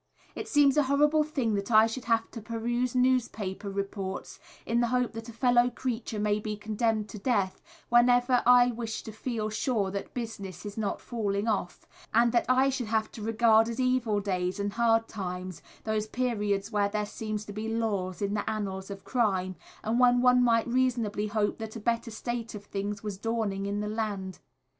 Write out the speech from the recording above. It seems a horrible thing that I should have to peruse newspaper reports in the hope that a fellow creature may be condemned to death, whenever I wish to feel sure that "business is not falling off;" and that I should have to regard as evil days and hard times those periods when there seem to be lulls in the annals of crime, and when one might reasonably hope that a better state of things was dawning in the land.